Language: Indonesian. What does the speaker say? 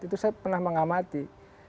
itu saya pernah mengamati